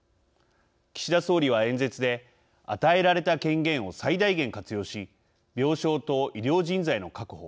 岸田総理は演説で「与えられた権限を最大限活用し病床と医療人材の確保